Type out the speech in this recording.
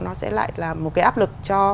nó sẽ lại là một cái áp lực cho